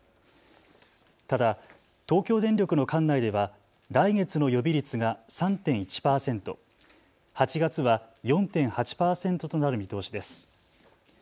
ただ東京電力の管内では来月の予備率が３．１％、８月は４．８％となる見通しです。